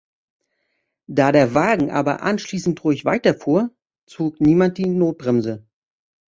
Da der Wagen aber anschließend ruhig weiterfuhr, zog niemand die Notbremse.